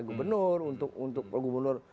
gubernur untuk gubernur